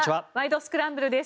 スクランブル」です。